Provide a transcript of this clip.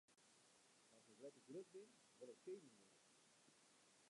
As ik letter grut bin, wol ik kening wurde.